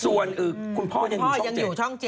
ส่วนคุณพ่อยังอยู่ช่อง๗